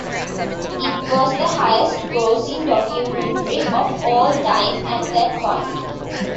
It was the highest-grossing documentary of all time at that point.